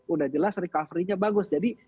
udah jelas recovery nya bagus jadi